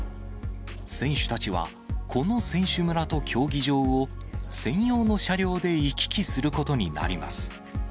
選手たちは、この選手村と競技場を、専用の車両で行き来することになります。